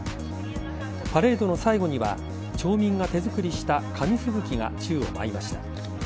パレードの最後には町民が手作りした紙吹雪が宙を舞いました。